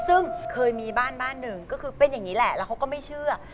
ซึ่งเคยมีบ้านบ้านหนึ่งก็คือเป็นอย่างนี้แหละแล้วเขาก็ไม่เชื่อ